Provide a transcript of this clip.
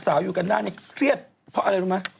สาวอยู่กันด้านนี้เครียดเพราะอันอะไรรู้ไหม